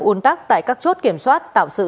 uốn tắc tại các chốt kiểm soát tạo sự